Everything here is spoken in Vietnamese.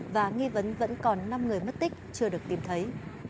và nghi vấn vẫn còn năm người mất tích chưa được tìm thấy